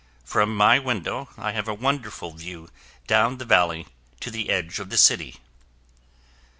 From my window, I have a wonderful view down the valley to the edge of the city.